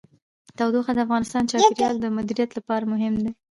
تودوخه د افغانستان د چاپیریال د مدیریت لپاره مهم دي.